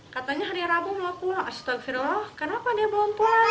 katanya hari rabu melakukan astagfirullah kenapa dia belum pulang